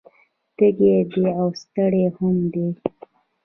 تږی دی او ستړی هم دی